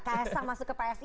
kaisang masuk ke psi